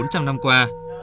trong bốn trăm linh năm qua